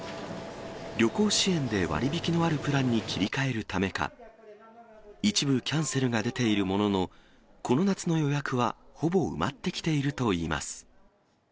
旅行支援で割引のあるプランに切り替えるためか、一部キャンセルが出ているものの、この夏の予約はほぼ埋まってきているといいます。